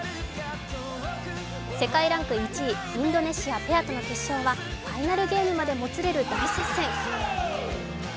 世界ランク１位インドネシアペアとの決勝はファイナルゲームまでもつれる大接戦。